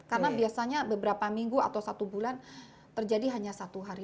karena biasanya beberapa minggu atau satu bulan terjadi hanya satu hari